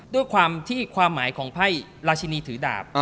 ด้วยความที่ความหมายของไพ่ราชินีถือดาบ